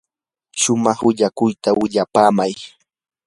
shumaq willakuyta willapaamay.